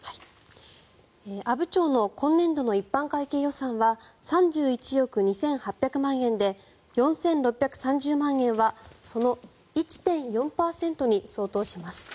阿武町の今年度の一般会計予算は３１億２８００万円で４６３０万円はその１．４％に相当します。